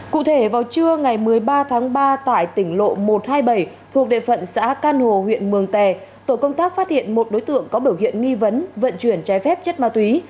cụ thể vào trưa ngày một mươi ba tháng ba tại tỉnh lộ một trăm hai mươi bảy thuộc địa phận xã can hồ huyện mường tè tổ công tác phát hiện một đối tượng có biểu hiện nghi vấn vận chuyển trái phép chất ma túy